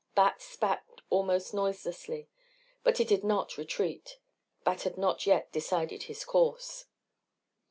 Bat spat almost noiselessly. But he did not retreat. Bat had not yet decided his course.